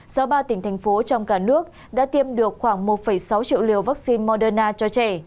do ba tỉnh thành phố trong cả nước đã tiêm được khoảng một sáu triệu liều vaccine moderna cho trẻ